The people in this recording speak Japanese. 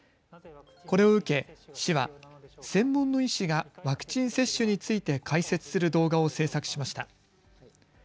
これを受け、市は専門の医師がワクチン接種について解説する動画を制作しました。